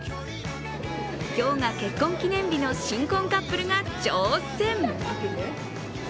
今日が結婚記念日の新婚カップルが挑戦。